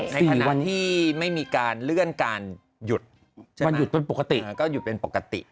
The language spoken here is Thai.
ในขณะที่ไม่มีการเลื่อนการหยุดวันหยุดเป็นปกติ